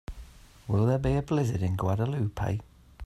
Will there be a blizzard in Guadeloupe?